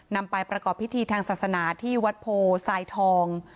นำไปประกอบพิธีทางศาสนาที่วัดโพสายทอง